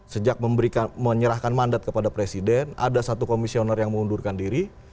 sejak menyerahkan mandat kepada presiden ada satu komisioner yang mengundurkan diri